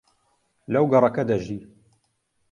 لەو گەڕەکە دەژی.